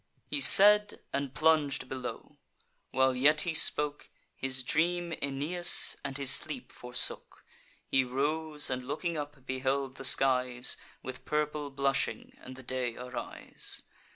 He said, and plung'd below. While yet he spoke, His dream Aeneas and his sleep forsook. He rose, and looking up, beheld the skies With purple blushing, and the day arise.